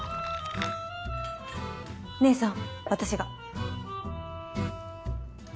姐さん私が。